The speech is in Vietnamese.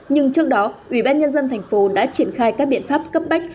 nhưng trước đó ủy ban nhân dân thành phố đã triển khai các biện pháp cấp bách